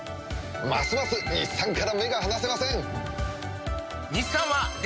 ますます日産から目が離せません！